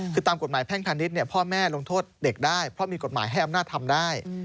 คือตามกฎหมายแพ่งพาณิชย์พ่อแม่ลงโทษเด็กได้เพราะมีกฎหมายให้อำนาจทำได้